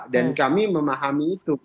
dan kami memahami itu